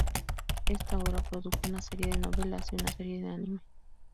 Esta obra produjo una serie de novelas y una serie de anime.